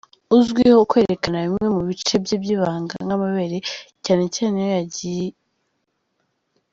uzwiho kwerekana bimwe mu bice bye byibanga nkamabere cyane cyane iyo yagiye.